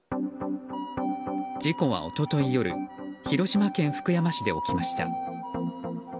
事故は一昨日夜広島県福山市で起きました。